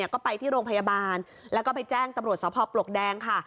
ก็ไปที่โรงพยาบาลแล้วก็ไปแจ้งตำรวจสพปลวกแดงค่ะ